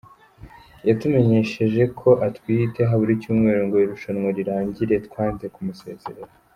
Yatumenyesheje ko atwite habura icyumweru ngo irushanwa rirangire, twanze kumusezerera…”.